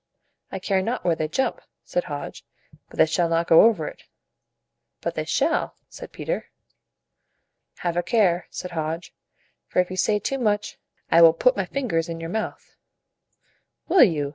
"I care not where they jump," said Hodge; "but they shall not go over it." "But they shall," said Peter. "Have a care," said Hodge; "for if you say too much, I will put my fingers in your mouth." "Will you?"